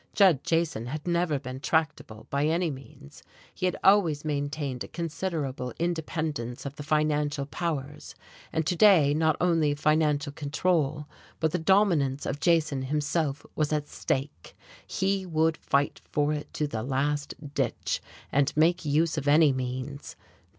Judd Jason had never been tractable, by any means; he had always maintained a considerable independence of the financial powers, and to day not only financial control, but the dominance of Jason himself was at stake. He would fight for it to the last ditch, and make use of any means.